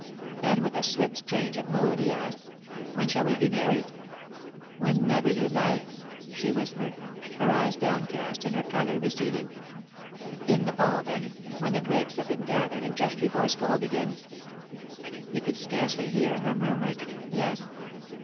Then, with a swift change of mood, he asked: "When shall we be married?" "Whenever you like," she whispered, her eyes downcast and her colour receding. "In the Fall, then, when the grapes have been gathered and just before school begins?" He could scarcely hear her murmured: "Yes."